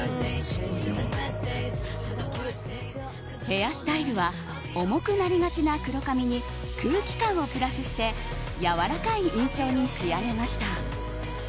ヘアスタイルは重くなりがちな黒髪に空気感をプラスしてやわらかい印象に仕上げました。